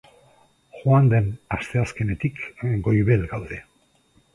Joan den asteazkenetik goibel gaude.